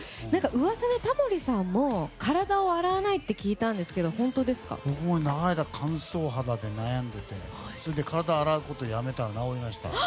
噂でタモリさんも、体を洗わないって聞いたんですけど長い間、乾燥肌で悩んでて体を洗うことをやめたら直りました。